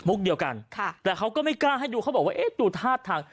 เดียวกันค่ะแต่เขาก็ไม่กล้าให้ดูเขาบอกว่าเอ๊ะดูท่าทาง